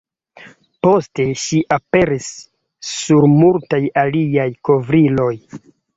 Poste ŝi aperis sur multaj aliaj kovriloj.